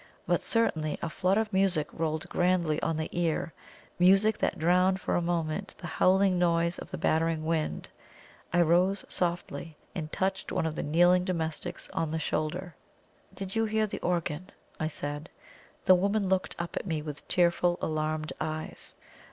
But certainly a flood of music rolled grandly on the ear music that drowned for a moment the howling noise of the battering wind. I rose softly, and touched one of the kneeling domestics on the shoulder. "Did you hear the organ?" I said. The woman looked up at me with tearful, alarmed eyes.